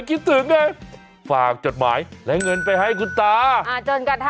คิดถึงลืมลืมเอาจดหมายของคุณยายที่ฝากไปด้วย